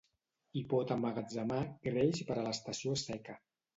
Hi pot emmagatzemar greix per a l'estació seca.